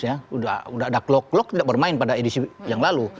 sudah ada klok klok tidak bermain pada edisi yang lalu